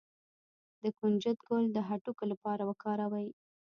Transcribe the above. د کنجد ګل د هډوکو لپاره وکاروئ